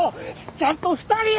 ちゃんと２人で！